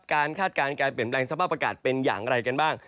คาดการณ์การเปลี่ยนแปลงสภาพอากาศเป็นอย่างไรกันบ้าง